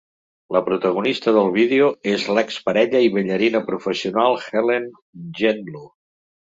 La protagonista del vídeo és l'ex parella i ballarina professional Helen Gedlu.